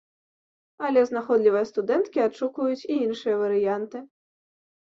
Але знаходлівыя студэнткі адшукваюць і іншыя варыянты.